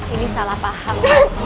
ini salah paham